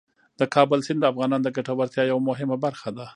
د کابل سیند د افغانانو د ګټورتیا یوه مهمه برخه ده.